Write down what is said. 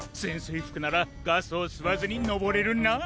いふくならガスをすわずにのぼれるな！